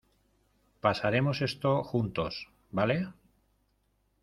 pasaremos esto juntos. vale .